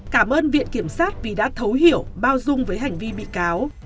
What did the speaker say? cảm ơn viện kiểm sát vì đã thấu hiểu bao dung với hành vi bị cáo